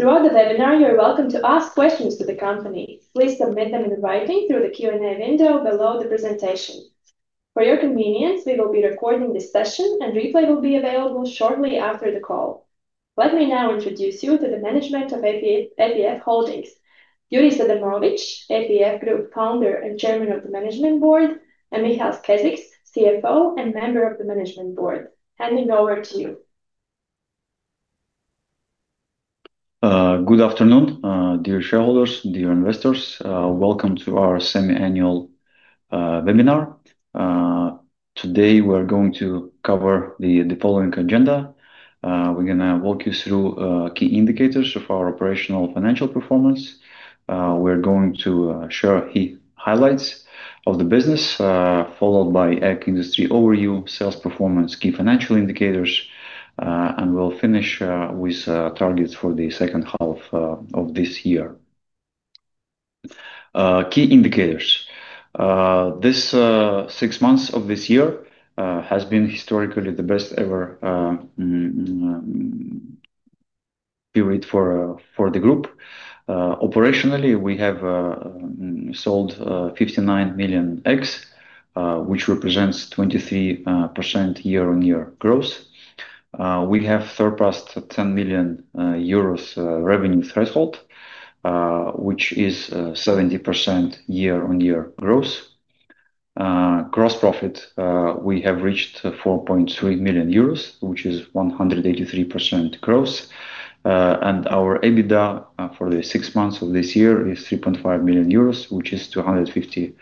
Throughout the webinar, you're welcome to ask questions to the company. Please submit them in writing through the Q&A window below the presentation. For your convenience, we will be recording this session, and replay will be available shortly after the call. Let me now introduce you to the management of APF Holdings: Jurijs Adamovičs, APF Holdings Founder and Chairman of the Management Board, and Mihails Keziks, CFO and Member of the Management Board. Handing over to you. Good afternoon, dear shareholders, dear investors. Welcome to our semi-annual webinar. Today, we're going to cover the following agenda. We're going to walk you through key indicators of our operational financial performance. We're going to share key highlights of the business, followed by an industry overview, sales performance, key financial indicators, and we'll finish with targets for the second half of this year. Key indicators. This six months of this year have been historically the best ever period for the group. Operationally, we have sold 59 million eggs, which represents 23% YoY growth. We have surpassed the 10 million euros revenue threshold, which is 70% YoY growth. Gross profit, we have reached 4.3 million euros, which is 183% growth. Our EBITDA for the six months of this year is 3.5 million euros, which is 250%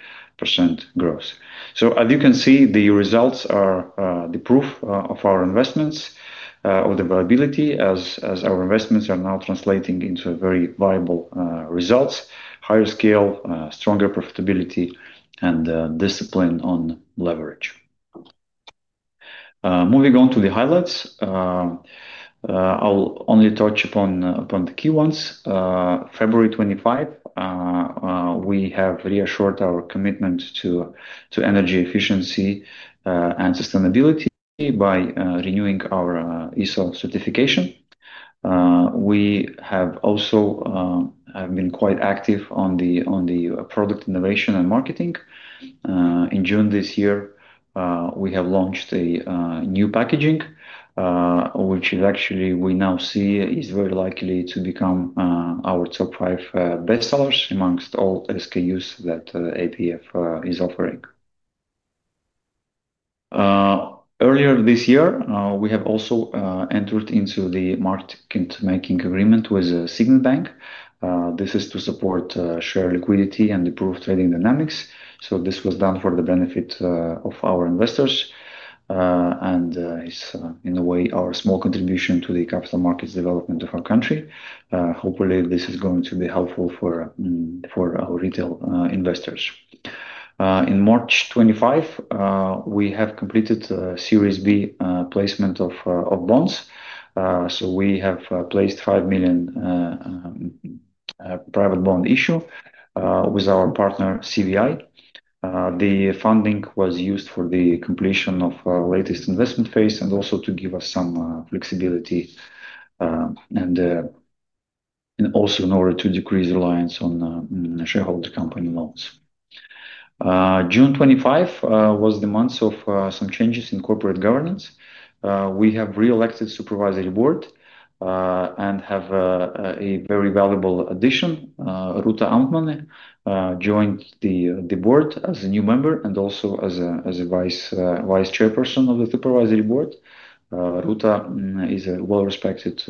growth. As you can see, the results are the proof of our investments, of the viability, as our investments are now translating into very viable results, higher scale, stronger profitability, and discipline on leverage. Moving on to the highlights, I'll only touch upon the key ones. February 2025, we have reassured our commitment to energy efficiency and sustainability by renewing our ISO certification. We have also been quite active on the product innovation and marketing. In June this year, we have launched a new packaging, which actually we now see is very likely to become our top five bestsellers amongst all SKUs that APF Holdings is offering. Earlier this year, we have also entered into the market making agreement with Signal Bank. This is to support share liquidity and improve trading dynamics. This was done for the benefit of our investors, and it's, in a way, our small contribution to the capital markets development of our country. Hopefully, this is going to be helpful for our retail investors. In March 2025, we have completed a Series B placement of bonds. We have placed 5 million private bond issue with our partner CVI. The funding was used for the completion of our latest investment phase and also to give us some flexibility, and also in order to decrease reliance on shareholder company loans. June 2025 was the month of some changes in corporate governance. We have reelected the Supervisory Board and have a very valuable addition, Ruta Amtmani, who joined the board as a new member and also as a Vice Chairperson of the Supervisory Board. Ruta is a well-respected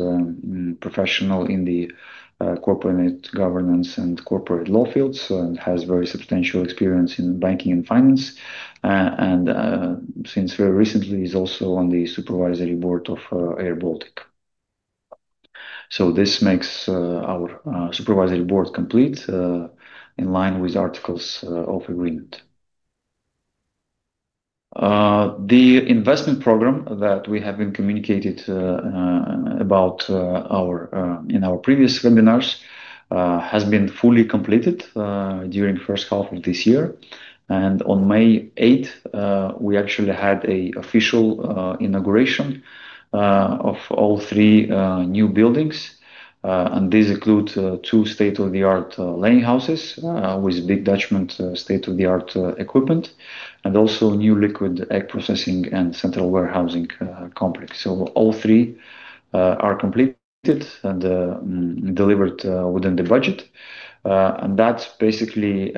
professional in the corporate governance and corporate law fields and has very substantial experience in banking and finance. Since very recently, he's also on the Supervisory Board of airBaltic. This makes our Supervisory Board complete in line with the articles of agreement. The investment program that we have communicated about in our previous webinars has been fully completed during the first half of this year. On May 8, we actually had an official inauguration of all three new buildings. These include two state-of-the-art laying houses with Big Dutchman state-of-the-art equipment and also a new liquid egg processing and central warehousing complex. All three are completed and delivered within the budget. That basically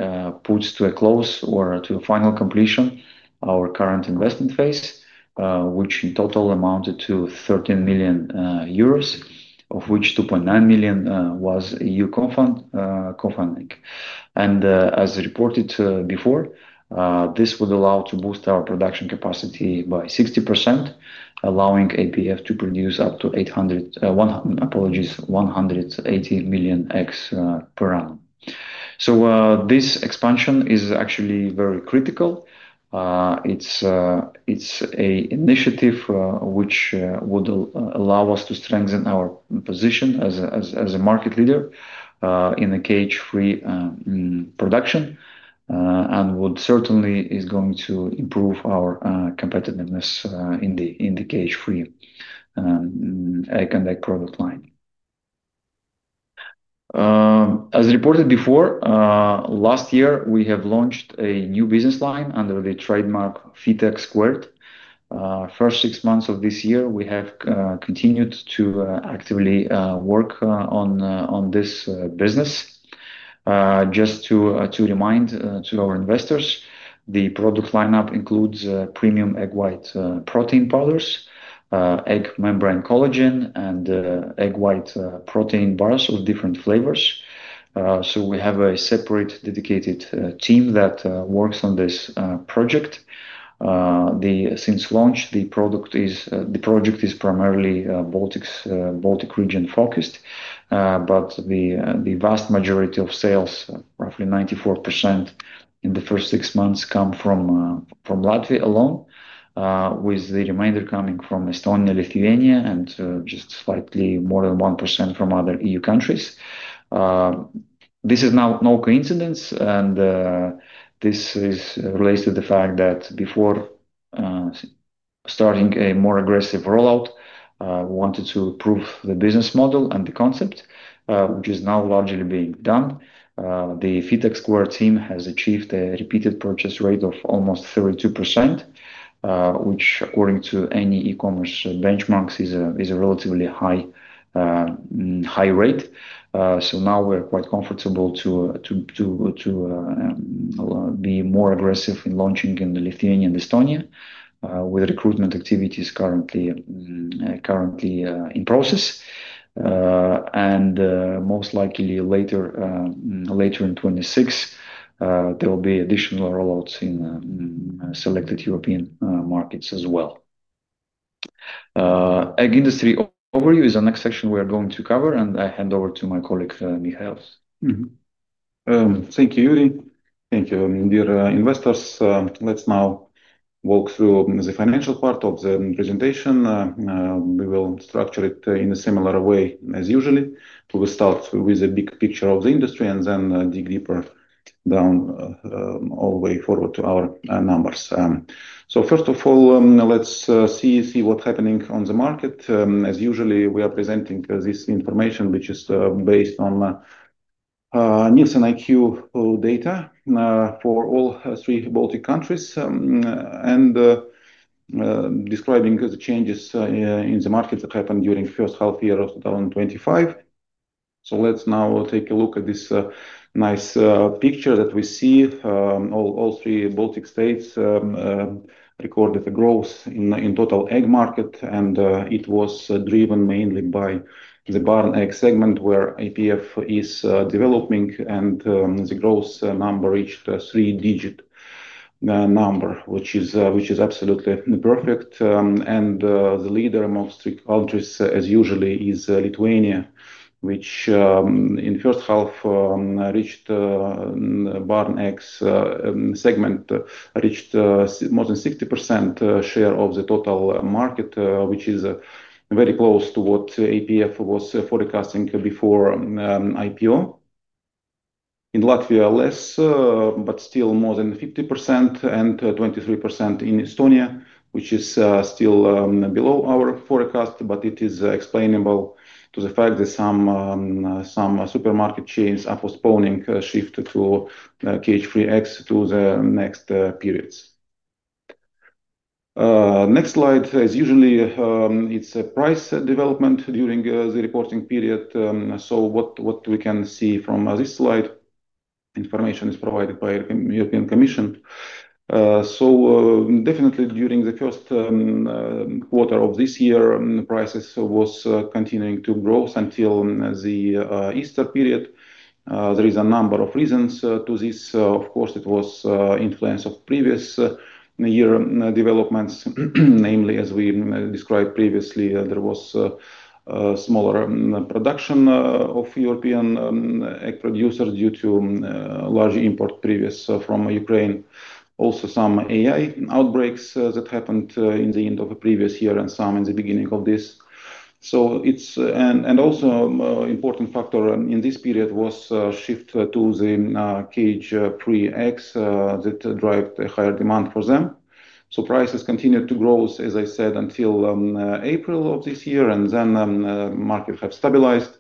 puts to a close or to a final completion our current investment phase, which in total amounted to 13 million euros, of which 2.9 million was EU co-funding. As reported before, this would allow us to boost our production capacity by 60%, allowing APF to produce up to, apologies, 180 million eggs per round. This expansion is actually very critical. It's an initiative which would allow us to strengthen our position as a market leader in cage-free production and would certainly be going to improve our competitiveness in the cage-free egg and egg product line. As reported before, last year, we have launched a new business line under the trademark FeedTech Squared. First six months of this year, we have continued to actively work on this business. Just to remind our investors, the product lineup includes premium egg white protein powders, egg membrane collagen, and egg white protein bars with different flavors. We have a separate dedicated team that works on this project. Since launch, the product is primarily Baltic region focused, but the vast majority of sales, roughly 94% in the first six months, come from Latvia alone, with the remainder coming from Estonia, Lithuania, and just slightly more than 1% from other EU countries. This is now no coincidence, and this is related to the fact that before starting a more aggressive rollout, we wanted to prove the business model and the concept, which is now largely being done. The FeedTech Squared team has achieved a repeated purchase rate of almost 32%, which according to any e-commerce benchmarks is a relatively high rate. Now we're quite comfortable to be more aggressive in launching in Lithuania and Estonia with recruitment activities currently in process. Most likely later in 2026, there will be additional rollouts in selected European markets as well. Egg industry overview is the next section we are going to cover, and I hand over to my colleague Mihails. Thank you, Jurijs. Thank you, dear investors. Let's now walk through the financial part of the presentation. We will structure it in a similar way as usually. We will start with a big picture of the industry and then dig deeper down all the way forward to our numbers. First of all, let's see what's happening on the market. As usually, we are presenting this information, which is based on Nielsen IQ data for all three Baltic countries and describing the changes in the markets that happened during the first half year of 2025. Let's now take a look at this nice picture that we see. All three Baltic states recorded the growth in the total egg market, and it was driven mainly by the barn egg segment where APF Holdings is developing, and the growth number reached a three-digit number, which is absolutely perfect. The leader amongst strict countries, as usually, is Lithuania, which in the first half reached the barn egg segment reached more than 60% share of the total market, which is very close to what APF Holdings was forecasting before IPO. In Latvia, less, but still more than 50%, and 23% in Estonia, which is still below our forecast, but it is explainable due to the fact that some supermarket chains are postponing shift to cage-free eggs to the next periods. Next slide, as usually, it's a price development during the reporting period. What we can see from this slide, information is provided by the European Commission. Definitely during the first quarter of this year, prices were continuing to grow until the Easter period. There is a number of reasons to this. Of course, it was influenced by previous year developments. Namely, as we described previously, there was a smaller production of European egg producers due to large import previous from Ukraine. Also, some AI outbreaks that happened in the end of the previous year and some in the beginning of this. And also an important factor in this period was the shift to the cage-free eggs that drove a higher demand for them. Prices continued to grow, as I said, until April of this year, and then the market has stabilized,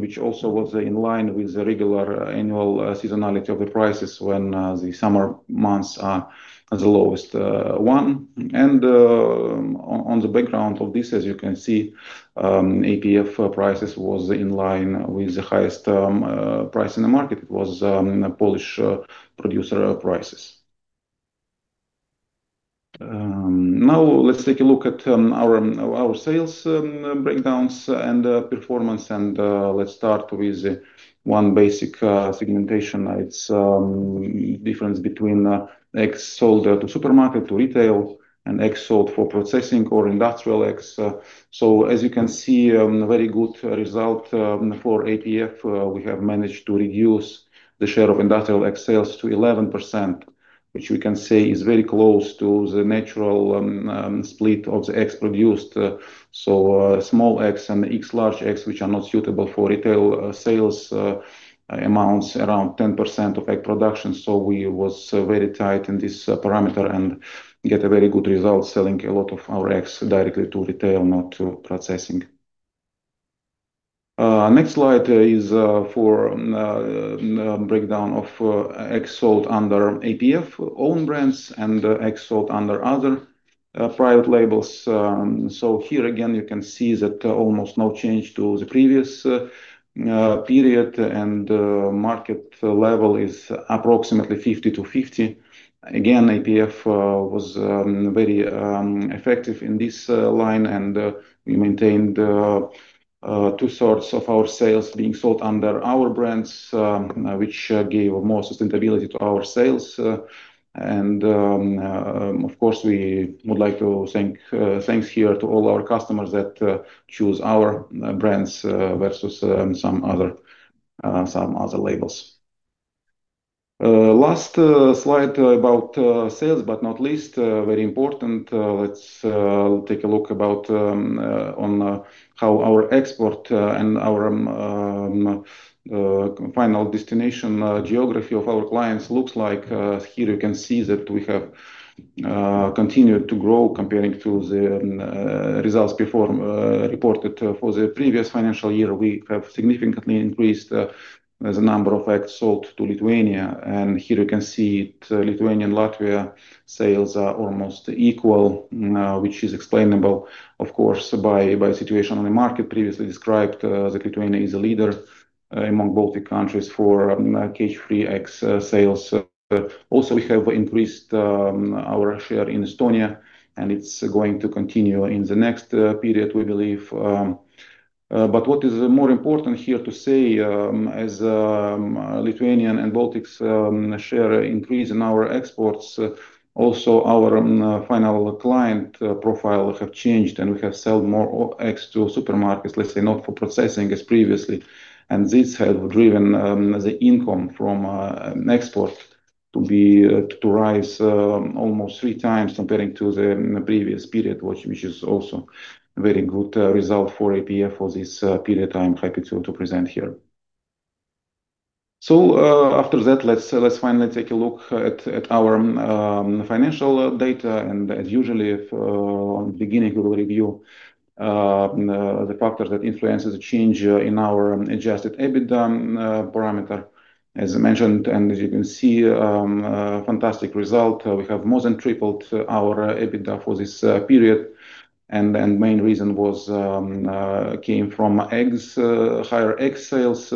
which also was in line with the regular annual seasonality of the prices when the summer months are the lowest one. On the background of this, as you can see, APF prices were in line with the highest price in the market. It was bullish producer prices. Now, let's take a look at our sales breakdowns and performance, and let's start with one basic segmentation. It's the difference between eggs sold to supermarket to retail and eggs sold for processing or industrial eggs. As you can see, a very good result for APF. We have managed to reduce the share of industrial egg sales to 11%, which we can say is very close to the natural split of the eggs produced. Small eggs and large eggs, which are not suitable for retail sales, amount around 10% of egg production. We were very tight in this parameter and got a very good result selling a lot of our eggs directly to retail, not to processing. Next slide is for the breakdown of eggs sold under APF own brands and eggs sold under other private labels. Here again, you can see that almost no change to the previous period, and the market level is approximately 50 to 50. APF was very effective in this line, and we maintained two-thirds of our sales being sold under our brands, which gave more sustainability to our sales. Of course, we would like to thank all our customers that choose our brands versus some other labels. Last slide about sales, but not least, very important. Let's take a look at how our export and our final destination geography of our clients looks like. Here you can see that we have continued to grow comparing to the results reported for the previous financial year. We have significantly increased the number of eggs sold to Lithuania, and here you can see Lithuania and Latvia sales are almost equal, which is explainable, of course, by the situation on the market previously described, that Lithuania is a leader among Baltic countries for cage-free eggs sales. We have increased our share in Estonia, and it's going to continue in the next period, we believe. What is more important here to say, as Lithuania and Baltic share increase in our exports, also our final client profile has changed, and we have sold more eggs to supermarkets, not for processing as previously. This has driven the income from exports to rise almost three times compared to the previous period, which is also a very good result for APF Holdings for this period I'm happy to present here. After that, let's finally take a look at our financial data, and as usual, at the beginning, we will review the factors that influence the change in our adjusted EBITDA parameter. As mentioned, and as you can see, a fantastic result. We have more than tripled our EBITDA for this period, and the main reason came from higher egg sales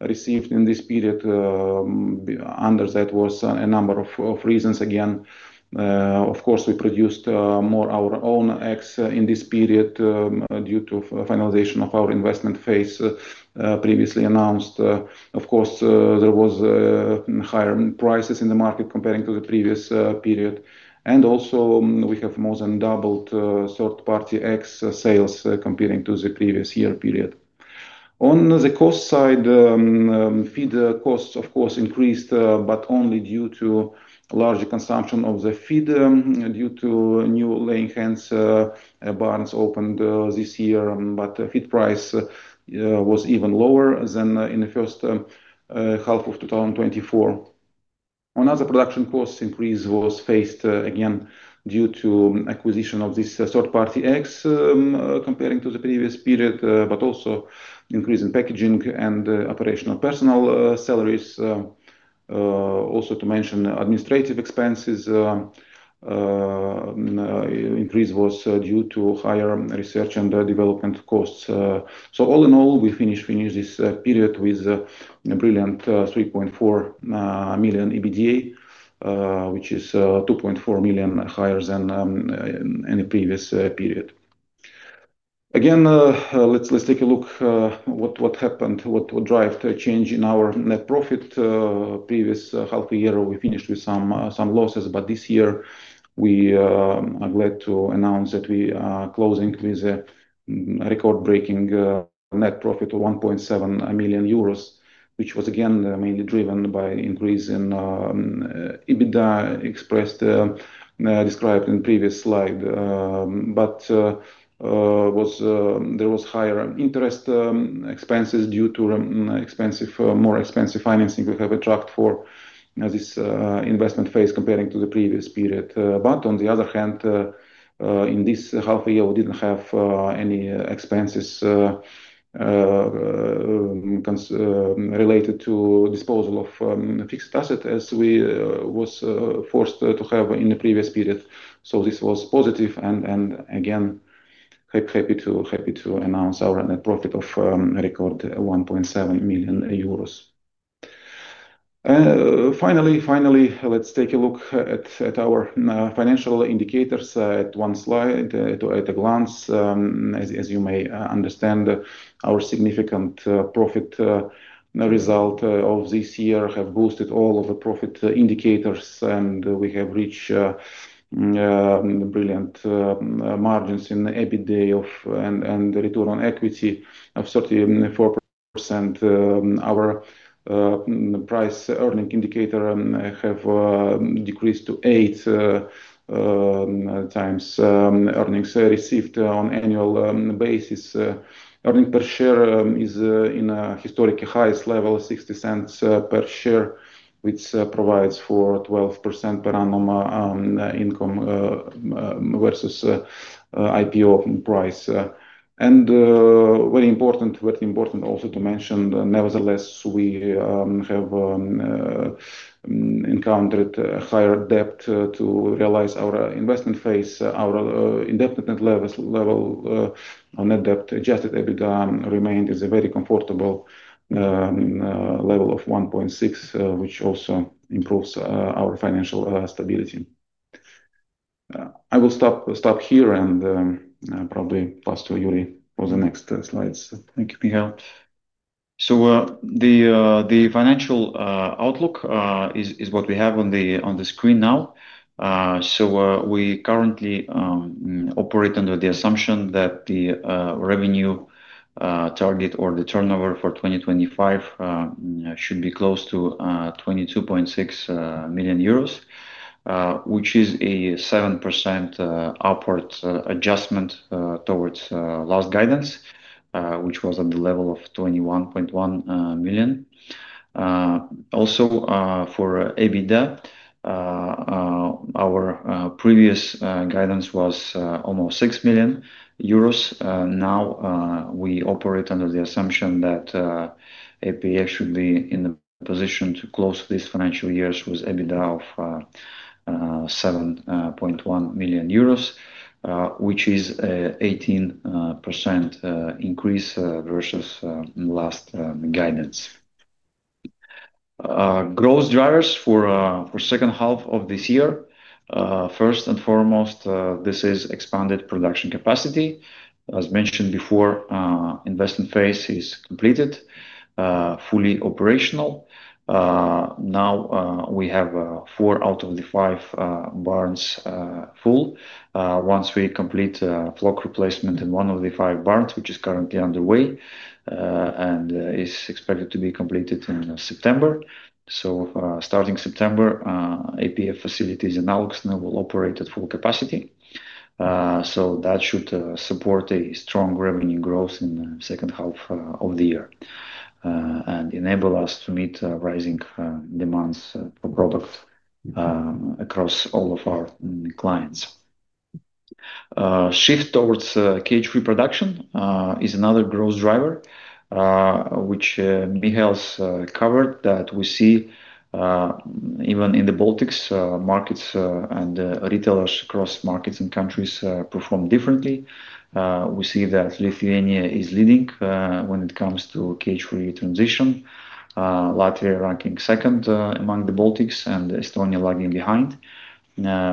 received in this period. Under that was a number of reasons. Of course, we produced more of our own eggs in this period due to the finalization of our investment phase previously announced. There were higher prices in the market compared to the previous period, and also we have more than doubled third-party egg sales compared to the previous year period. On the cost side, feed costs increased, but only due to larger consumption of the feed due to new laying hens barns opened this year, but the feed price was even lower than in the first half of 2024. Another production cost increase was faced again due to the acquisition of these third-party eggs compared to the previous period, but also increase in packaging and operational personnel salaries. Also, to mention administrative expenses, the increase was due to higher research and development costs. All in all, we finished this period with a brilliant 3.4 million EBITDA, which is 2.4 million higher than any previous period. Again, let's take a look at what happened, what drove the change in our net profit. The previous half a year, we finished with some losses, but this year we are glad to announce that we are closing with a record-breaking net profit of 1.7 million euros, which was again mainly driven by the increase in EBITDA expressed and described in the previous slide. There were higher interest expenses due to more expensive financing we have attracted for this investment phase compared to the previous period. On the other hand, in this half a year, we didn't have any expenses related to the disposal of fixed assets as we were forced to have in the previous period. This was positive, and again, happy to announce our net profit of a record 1.7 million euros. Finally, let's take a look at our financial indicators at one slide. At a glance, as you may understand, our significant profit result of this year has boosted all of the profit indicators, and we have reached brilliant margins in EBITDA and return on equity of 34%. Our price earning indicator has decreased to 8x earnings received on an annual basis. Earnings per share is in a historically highest level, 0.60 per share, which provides for 12% per annum income versus IPO price. Very important also to mention, nevertheless, we have encountered a higher debt to realize our investment phase. Our indefinite net level on net debt/EBITDA remained at a very comfortable level of 1.6, which also improves our financial stability. I will stop here and probably pass to Jurijs for the next slides. Thank you, Mihails. The financial outlook is what we have on the screen now. We currently operate under the assumption that the revenue target or the turnover for 2025 should be close to 22.6 million euros, which is a 7% upward adjustment towards last guidance, which was at the level of 21.1 million. Also, for EBITDA, our previous guidance was almost 6 million euros. Now, we operate under the assumption that APF should be in a position to close this financial year with EBITDA of 7.1 million euros, which is an 18% increase versus last guidance. Growth drivers for the second half of this year. First and foremost, this is expanded production capacity. As mentioned before, the investment phase is completed, fully operational. Now, we have four out of the five barns full. Once we complete flock replacement in one of the five barns, which is currently underway and is expected to be completed in September, starting September, APF facilities in Aulksne will operate at full capacity. That should support a strong revenue growth in the second half of the year and enable us to meet rising demands for products across all of our clients. Shift towards cage-free production is another growth driver, which Mihails covered, that we see even in the Baltic markets and retailers across markets and countries perform differently. We see that Lithuania is leading when it comes to cage-free transition. Latvia is ranking second among the Baltics and Estonia lagging behind.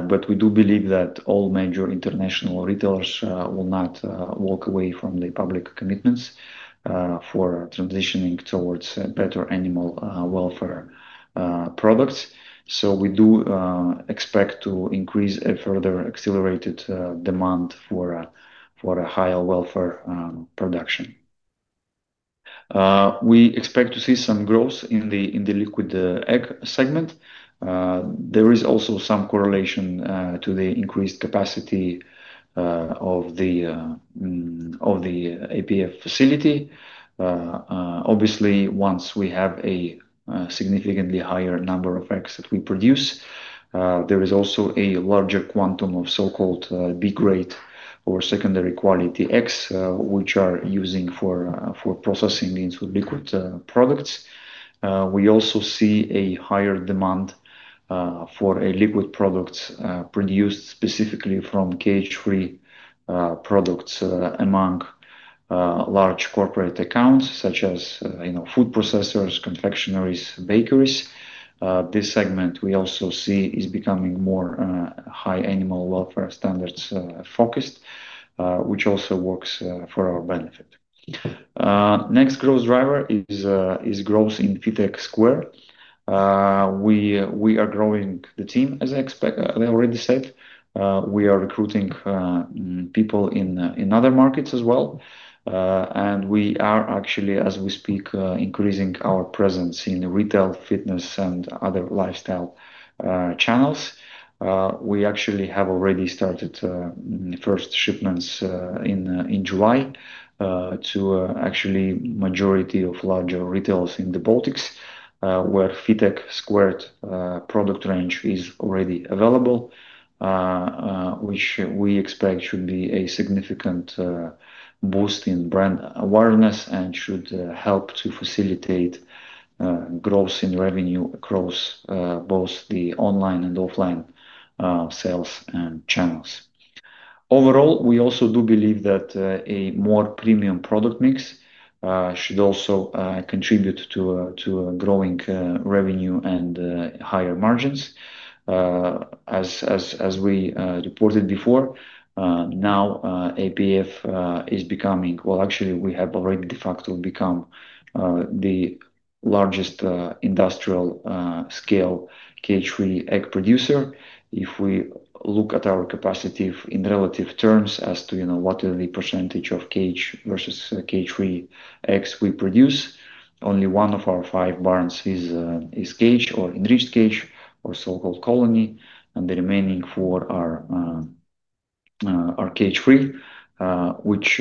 We do believe that all major international retailers will not walk away from their public commitments for transitioning towards better animal welfare products. We do expect to increase a further accelerated demand for a higher welfare production. We expect to see some growth in the liquid egg segment. There is also some correlation to the increased capacity of the APF facility. Obviously, once we have a significantly higher number of eggs that we produce, there is also a larger quantum of so-called B-grade or secondary quality eggs, which are used for processing into liquid products. We also see a higher demand for liquid products produced specifically from cage-free products among large corporate accounts such as food processors, confectioneries, and bakeries. This segment we also see is becoming more high animal welfare standards focused, which also works for our benefit. Next growth driver is growth in FeedTech Squared. We are growing the team, as I already said. We are recruiting people in other markets as well. We are actually, as we speak, increasing our presence in retail, fitness, and other lifestyle channels. We actually have already started first shipments in July to a majority of larger retailers in the Baltics, where the FeedTech Squared product range is already available, which we expect should be a significant boost in brand awareness and should help to facilitate growth in revenue across both the online and offline sales and channels. Overall, we also do believe that a more premium product mix should also contribute to growing revenue and higher margins. As we reported before, now APF is becoming, actually we have already de facto become, the largest industrial scale cage-free egg producer. If we look at our capacity in relative terms as to what is the % of cage versus cage-free eggs we produce, only one of our five barns is cage or enriched cage or so-called colony, and the remaining four are cage-free, which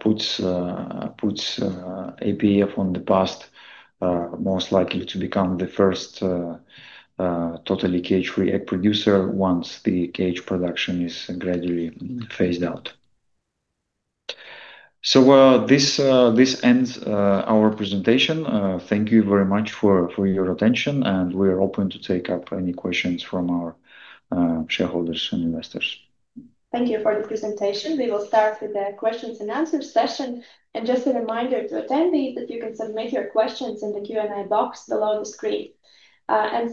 puts APF on the path most likely to become the first totally cage-free egg producer once the cage production is gradually phased out. This ends our presentation. Thank you very much for your attention, and we are open to take up any questions from our shareholders and investors. Thank you for the presentation. We will start with the questions and answers session. Just a reminder to attendees that you can submit your questions in the Q&A box below the screen.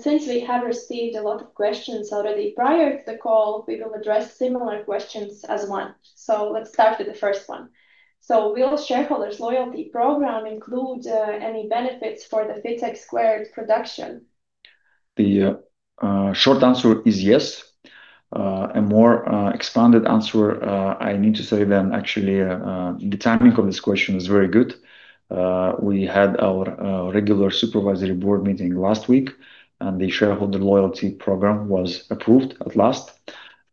Since we have received a lot of questions already prior to the call, we will address similar questions as one. Let's start with the first one. Will shareholders' loyalty program include any benefits for the FeedTech Squared production? The short answer is yes. A more expanded answer, I need to say that actually the timing of this question is very good. We had our regular Supervisory Board meeting last week, and the shareholder loyalty program was approved at last.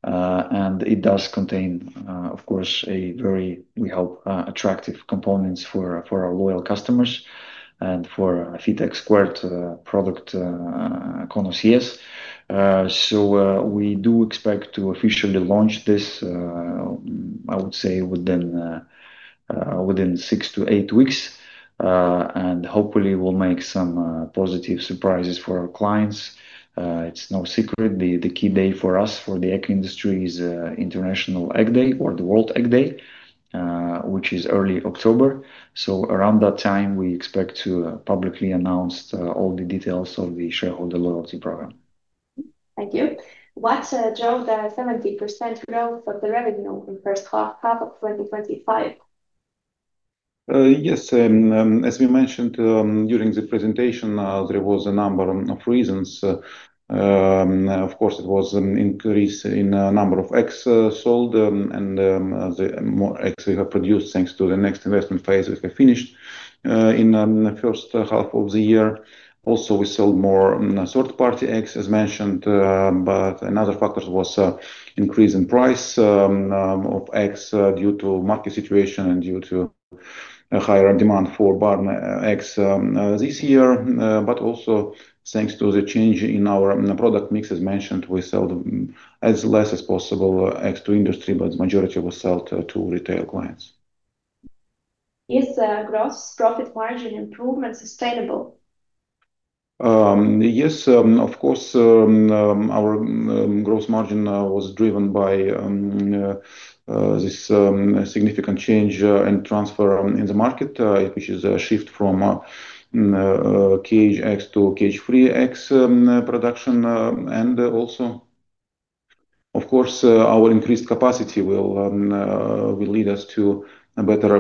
It does contain, of course, very, we hope, attractive components for our loyal customers and for FeedTech Squared product connoisseurs. We do expect to officially launch this, I would say, within 6-8 weeks, and hopefully we'll make some positive surprises for our clients. It's no secret the key day for us for the egg industry is International Egg Day or World Egg Day, which is early October. Around that time, we expect to publicly announce all the details of the shareholder loyalty program. Thank you. What drove the 17% growth of the revenue in the first half of 2025? Yes, as we mentioned during the presentation, there was a number of reasons. Of course, it was an increase in the number of eggs sold and the more eggs produced thanks to the next investment phase we finished in the first half of the year. Also, we sold more third-party eggs, as mentioned, another factor was an increase in price of eggs due to the market situation and due to a higher demand for barn eggs this year. Also, thanks to the change in our product mix, as mentioned, we sold as less as possible eggs to industry, but the majority was sold to retail clients. Is the gross profit margin improvement sustainable? Yes, of course. Our gross margin was driven by this significant change and transfer in the market, which is a shift from cage eggs to cage-free eggs production. Our increased capacity will lead us to a better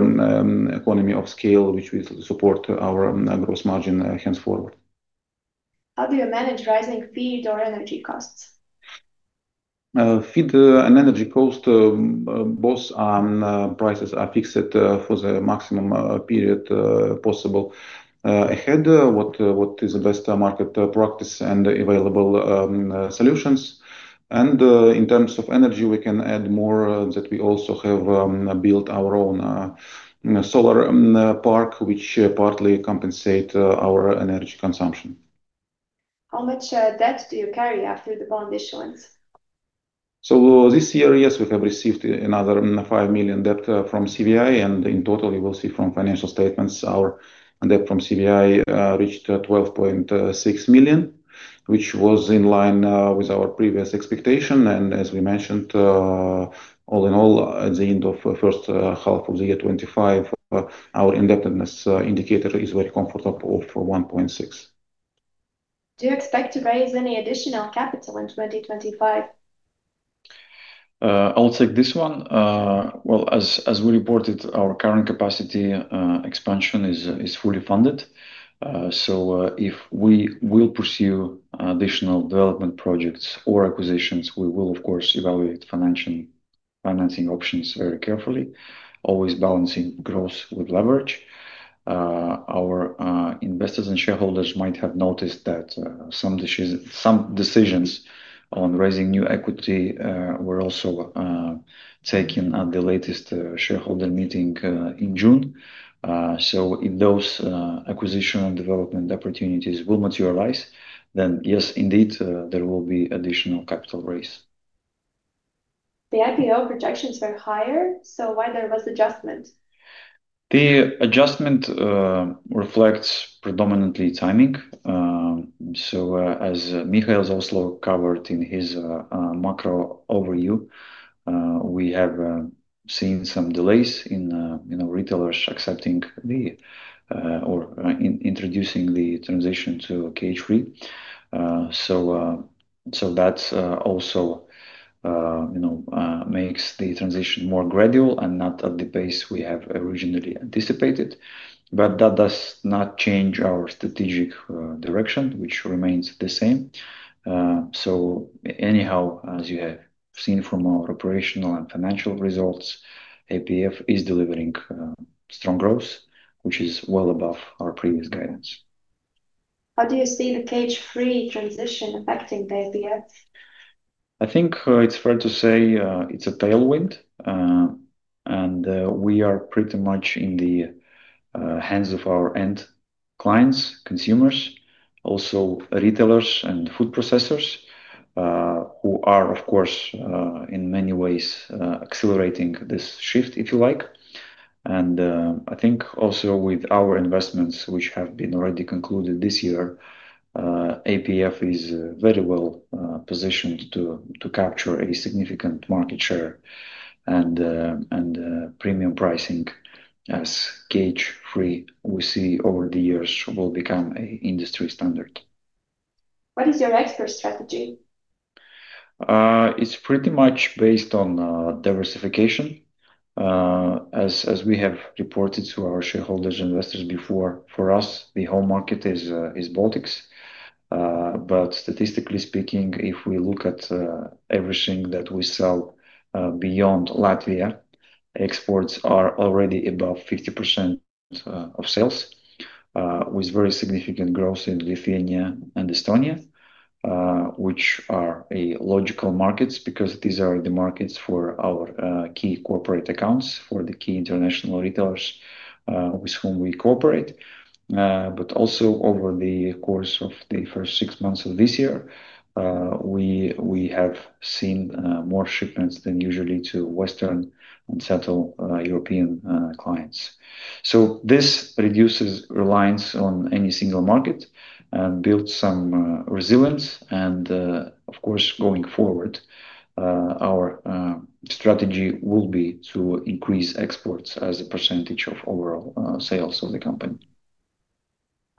economy of scale, which will support our gross margin henceforward. How do you manage rising feed or energy costs? Feed and energy costs, both prices are fixed for the maximum period possible ahead, which is the best market practice and available solutions. In terms of energy, we can add more that we also have built our own solar park, which partly compensates our energy consumption. How much debt do you carry after the bond issuance? This year, yes, we have received another 5 million debt from CVI, and in total, you will see from financial statements, our debt from CVI reached 12.6 million, which was in line with our previous expectation. As we mentioned, all in all, at the end of the first half of the year 2025, our indebtedness indicator is very comfortable for 1.6. Do you expect to raise any additional capital in 2025? I'll take this one. As we reported, our current capacity expansion is fully funded. If we will pursue additional development projects or acquisitions, we will, of course, evaluate financing options very carefully, always balancing growth with leverage. Our investors and shareholders might have noticed that some decisions on raising new equity were also taken at the latest shareholder meeting in June. If those acquisition and development opportunities will materialize, then yes, indeed, there will be additional capital raised. The IPO projections were higher, so why was there adjustment? The adjustment reflects predominantly timing. As Mihails Keziks covered in his macro overview, we have seen some delays in retailers accepting or introducing the transition to cage-free. That also makes the transition more gradual and not at the pace we have originally anticipated. That does not change our strategic direction, which remains the same. As you have seen from our operational and financial results, APF is delivering strong growth, which is well above our previous guidance. How do you see the cage-free transition affecting APF? I think it's fair to say it's a tailwind, and we are pretty much in the hands of our end clients, consumers, also retailers and food processors, who are, of course, in many ways accelerating this shift, if you like. I think also with our investments, which have been already concluded this year, APF is very well positioned to capture a significant market share and premium pricing as cage-free we see over the years will become an industry standard. What is your expert strategy? It's pretty much based on diversification. As we have reported to our shareholders and investors before, for us, the whole market is Baltics. But statistically speaking, if we look at everything that we sell beyond Latvia, exports are already above 50% of sales, with very significant growth in Lithuania and Estonia, which are logical markets because these are the markets for our key corporate accounts, for the key international retailers with whom we cooperate. Over the course of the first six months of this year, we have seen more shipments than usually to Western and Central European clients. This reduces reliance on any single market and builds some resilience. Of course, going forward, our strategy will be to increase exports as a percentage of overall sales of the company.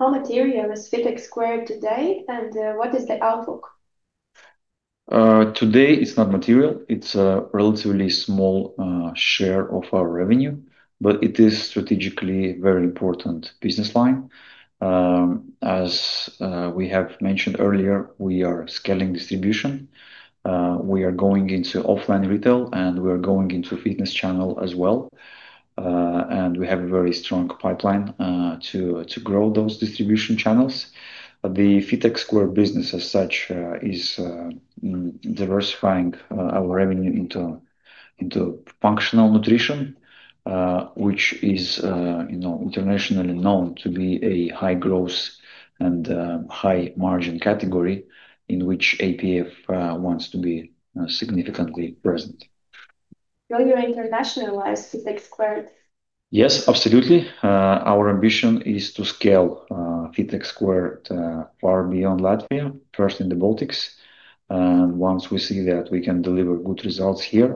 How material is FeedTech Squared today, and what is the outlook? Today, it's not material. It's a relatively small share of our revenue, but it is a strategically very important business line. As we have mentioned earlier, we are scaling distribution. We are going into offline retail, we are going into fitness channels as well, and we have a very strong pipeline to grow those distribution channels. The FeedTech Squared business as such is diversifying our revenue into functional nutrition, which is internationally known to be a high growth and high margin category in which APF wants to be significantly present. Will you internationalize FeedTech Squared? Yes, absolutely. Our ambition is to scale FeedTech Squared far beyond Latvia, first in the Baltics. Once we see that we can deliver good results here,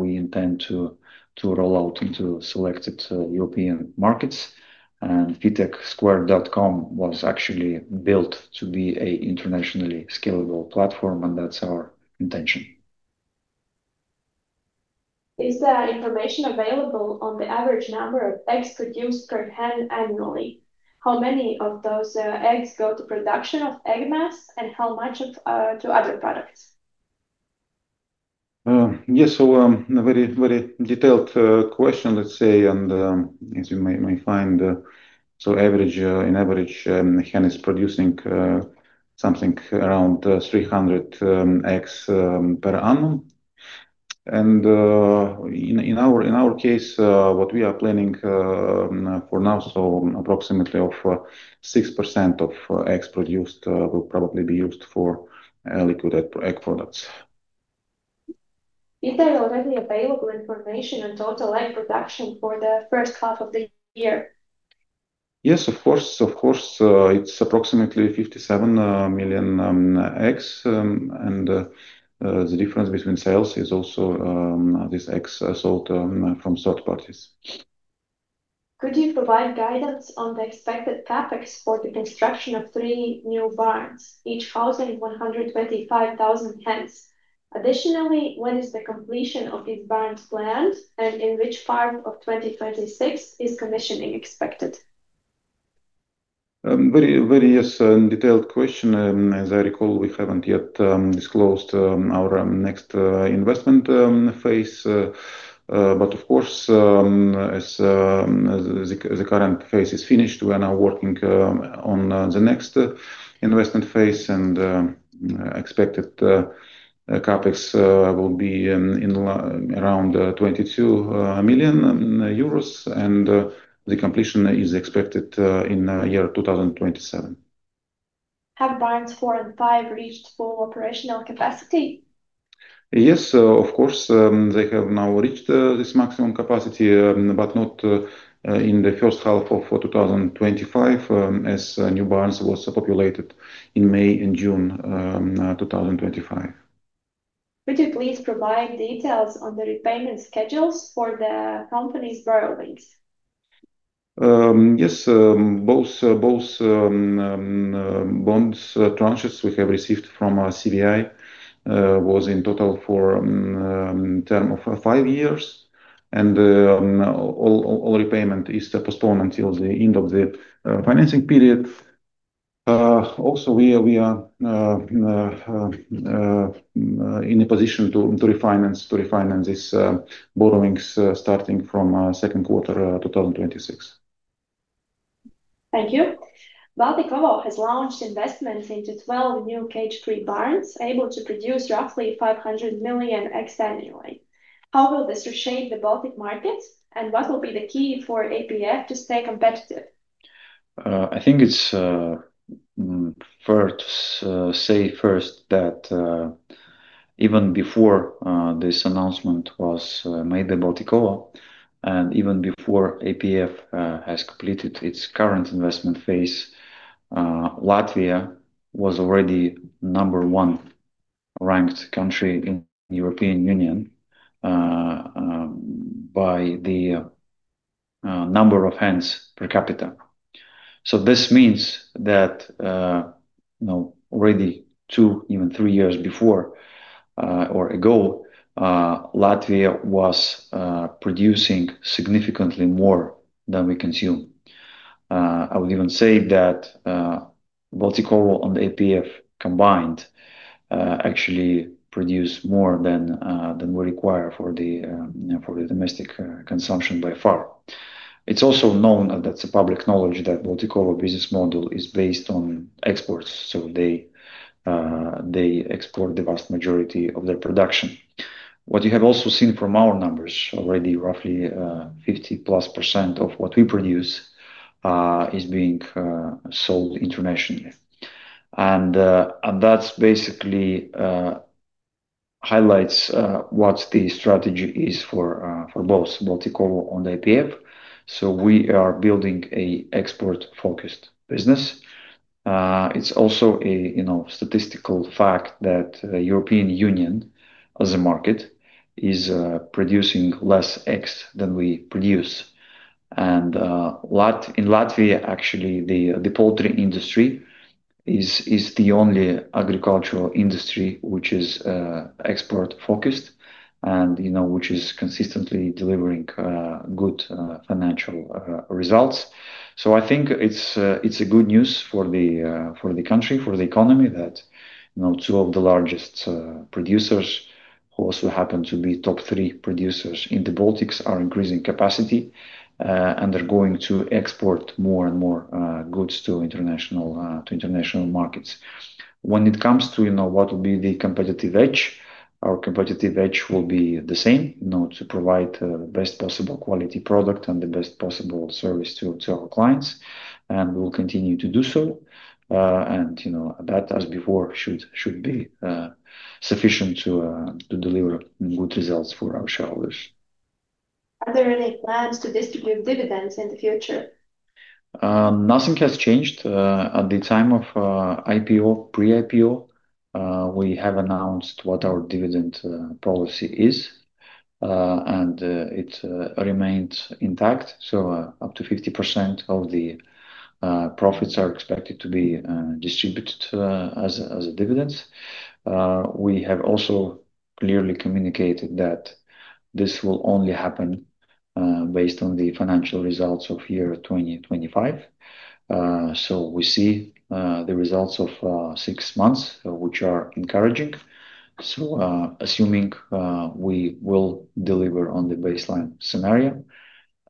we intend to roll out into selected European markets. feedtechsquared.com was actually built to be an internationally scalable platform, and that's our intention. Is the information available on the average number of eggs produced per hen annually? How many of those eggs go to production of egg mass, and how much to other products? Yes, a very, very detailed question, let's say. As you may find, an average hen is producing something around 300 eggs per annum. In our case, what we are planning for now, approximately 6% of eggs produced will probably be used for liquid egg products. Is there already available information on total egg production for the first half of the year? Yes, of course. Of course, it's approximately 57 million eggs, and the difference between sales is also these eggs sold from third parties. Could you provide guidance on the expected CapEx for the construction of three new barns, each housing 125,000 hens? Additionally, when is the completion of these barns planned, and in which farm of 2036 is commissioning expected? Very, very detailed question. As I recall, we haven't yet disclosed our next investment phase. Of course, as the current phase is finished, we are now working on the next investment phase, and expected CapEx will be around 22 million euros, and the completion is expected in the year 2027. Have barns four and five reached full operational capacity? Yes, of course, they have now reached this maximum capacity, but not in the first half of 2025, as new barns were populated in May and June 2025. Could you please provide details on the repayment schedules for the company's borrowings? Yes, both bonds tranches we have received from CVI were in total for a term of five years, and all repayment is postponed until the end of the financing period. Also, we are in a position to refinance these borrowings starting from the second quarter of 2026. Thank you. Baltic Level has launched investments into 12 new cage-free barns able to produce roughly 500 million eggs annually. How will this reshape the Baltic markets, and what will be the key for APF to stay competitive? I think it's fair to say first that even before this announcement was made by Balticova, and even before APF Holdings has completed its current investment phase, Latvia was already the number one ranked country in the European Union by the number of hens per capita. This means that already two, even three years ago, Latvia was producing significantly more than we consume. I would even say that Balticova and APF combined actually produce more than we require for the domestic consumption by far. It's also known, it's public knowledge, that Balticova's business model is based on exports, so they export the vast majority of their production. What you have also seen from our numbers already, roughly 50% plus of what we produce is being sold internationally. That basically highlights what the strategy is for both Balticova and APF. We are building an export-focused business. It's also a statistical fact that the European Union as a market is producing less eggs than we produce. In Latvia, actually, the poultry industry is the only agricultural industry which is export-focused and which is consistently delivering good financial results. I think it's good news for the country, for the economy, that two of the largest producers, who also happen to be top three producers in the Baltics, are increasing capacity, and they're going to export more and more goods to international markets. When it comes to what will be the competitive edge, our competitive edge will be the same, to provide the best possible quality product and the best possible service to our clients, and we will continue to do so. That, as before, should be sufficient to deliver good results for our shareholders. Are there any plans to distribute dividends in the future? Nothing has changed. At the time of IPO, pre-IPO, we have announced what our dividend policy is, and it remains intact. Up to 50% of the profits are expected to be distributed as dividends. We have also clearly communicated that this will only happen based on the financial results of year 2025. We see the results of six months, which are encouraging. Assuming we will deliver on the baseline scenario,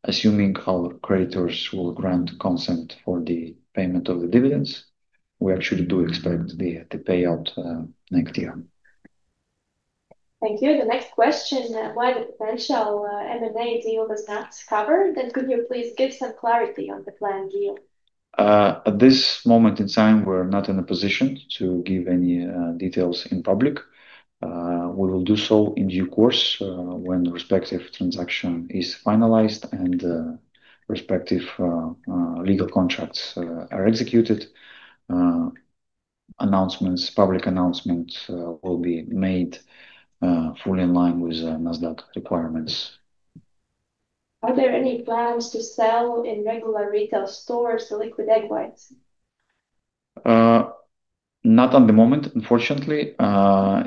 assuming our creditors will grant consent for the payment of the dividends, we actually do expect the payout next year. Thank you. The next question, what the potential M&A deal does not cover, and could you please give some clarity on the planned deal? At this moment in time, we're not in a position to give any details in public. We will do so in due course when the respective transaction is finalized and the respective legal contracts are executed. Announcements, public announcements, will be made fully in line with NASDAQ requirements. Are there any plans to sell in regular retail stores the liquid egg whites? Not at the moment, unfortunately,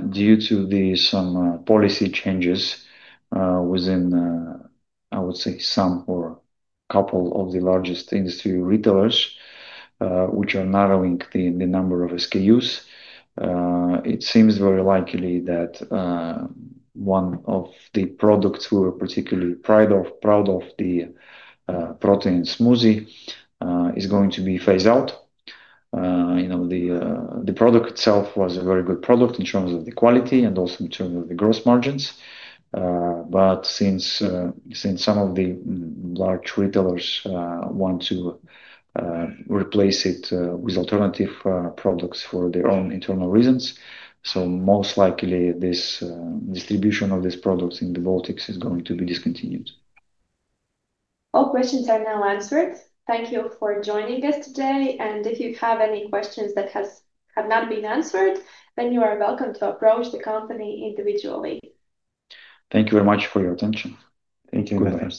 due to some policy changes within, I would say, some or a couple of the largest industry retailers, which are narrowing the number of SKUs. It seems very likely that one of the products we were particularly proud of, the protein smoothie, is going to be phased out. The product itself was a very good product in terms of the quality and also in terms of the gross margins. Since some of the large retailers want to replace it with alternative products for their own internal reasons, most likely the distribution of this product in the Baltics is going to be discontinued. All questions are now answered. Thank you for joining us today, and if you have any questions that have not been answered, you are welcome to approach the company individually. Thank you very much for your attention. Thank you very much.